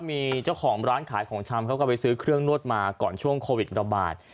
มีเจ้าของร้านขายของชำเขาก็ไปซื้อเครื่องนวดมาก่อนช่วงโควิดระบาด